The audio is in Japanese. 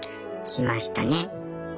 しましたね。